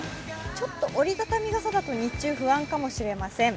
ちょっと折りたたみ傘だと日中、不安かもしれません。